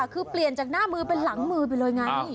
คือเปลี่ยนจากหน้ามือเป็นหลังมือไปเลยไง